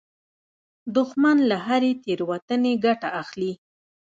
دښمن له هرې تېروتنې ګټه اخلي